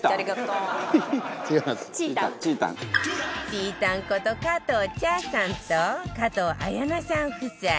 ちーたんこと加藤茶さんと加藤綾菜さん夫妻